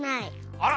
あら。